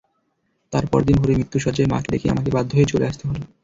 তার পরদিন ভোরে মৃত্যুশয্যায় মাকে রেখেই আমাকে বাধ্য হয়ে চলে আসতে হলো।